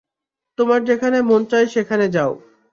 তোমার যেখানে মন চায় সেখানে যাও।